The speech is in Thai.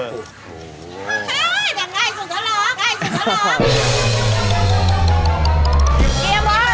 แซ่นตรงง่ายสุดเหล่า